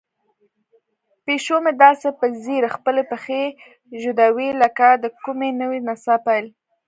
پیشو مې داسې په ځیر خپلې پښې ږدوي لکه د کومې نوې نڅا پیل.